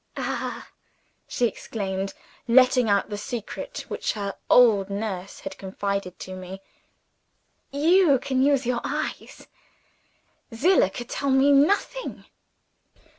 "Ah!" she exclaimed, letting out the secret which her old nurse had confided to me. "You can use your eyes. Zillah could tell me nothing."